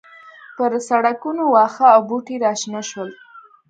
پر سړکونو واښه او بوټي راشنه شول